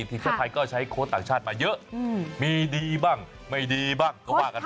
ทีมชาติไทยก็ใช้โค้ชต่างชาติมาเยอะมีดีบ้างไม่ดีบ้างก็ว่ากันไป